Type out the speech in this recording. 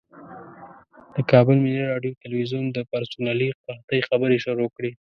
د کابل د ملي راډیو تلویزیون د پرسونلي قحطۍ خبرې شروع کړې.